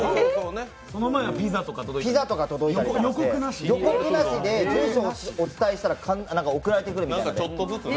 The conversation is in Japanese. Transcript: その前はピザとか届いたりしていて、予告なしで住所お伝えしたら送られてくるみたいな。